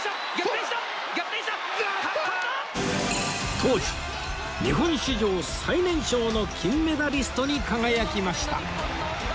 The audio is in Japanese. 当時日本史上最年少の金メダリストに輝きました